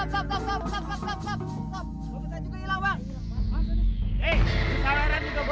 saya masih lapar kok